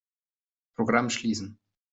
Programm schließen.